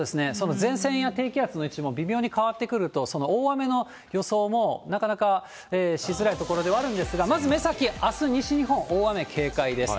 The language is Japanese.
前線や低気圧の位置も微妙に変わってくると、大雨の予想も、なかなかしづらいところではあるんですが、まず目先、あす西日本、大雨警戒です。